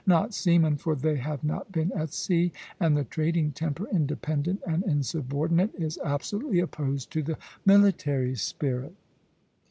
Not seamen, for they have not been at sea; and the trading temper, independent and insubordinate, is absolutely opposed to the military spirit."